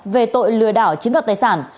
về tội lừa đảo chiếm đoạt tài sản